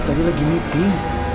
tadi lagi meeting